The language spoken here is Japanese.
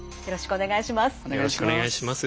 よろしくお願いします。